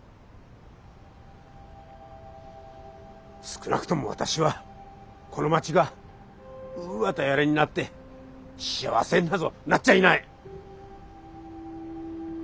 少なくとも私はこの街がウーアとやらになって幸せになぞなっちゃいない！